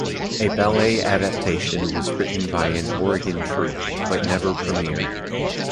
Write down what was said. A ballet adaptation was written by an Oregon troupe, but never premiered.